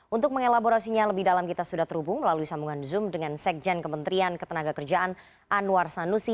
untuk mengelaborasinya lebih dalam kita sudah terhubung melalui sambungan zoom dengan sekjen kementerian ketenaga kerjaan anwar sanusi